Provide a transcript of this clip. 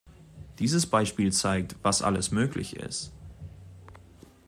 Dieses Beispiel zeigt, was alles möglich ist.